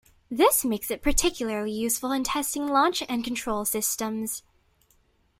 This makes it particularly useful in testing launch and control systems.